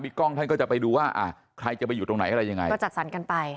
กล้องท่านก็จะไปดูว่าอ่ะใครจะไปอยู่ตรงไหนอะไรยังไงก็จัดสรรกันไป